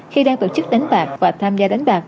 khi đang tổ chức đánh bạc và tham gia đánh bạc